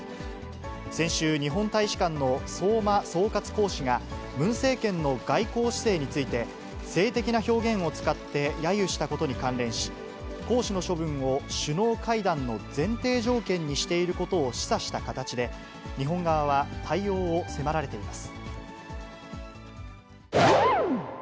先週、日本大使館の相馬総括公使が、ムン政権の外交姿勢について、性的な表現を使ってやゆしたことに関連し、公使の処分を首脳会談の前提条件にしていることを示唆した形で、日本側は対応を迫られています。